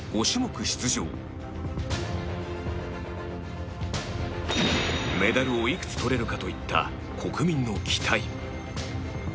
種目出場メダルを、いくつ、とれるかといった国民の期待